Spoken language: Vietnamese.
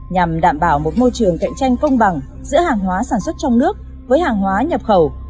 nhằm đảm bảo một môi trường cạnh tranh công bằng giữa hàng hóa sản xuất trong nước với hàng hóa nhập khẩu